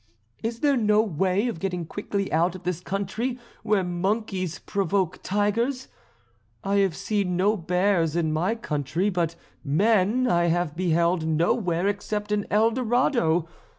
Is there no way of getting quickly out of this country where monkeys provoke tigers? I have seen no bears in my country, but men I have beheld nowhere except in El Dorado.